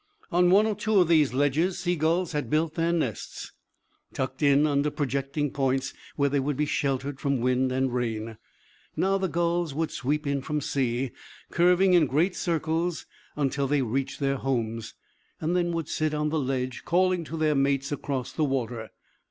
On one or two of these ledges sea gulls had built their nests, tucked in under projecting points where they would be sheltered from wind and rain. Now the gulls would sweep in from sea, curving in great circles until they reached their homes, and then would sit on the ledge calling to their mates across the water.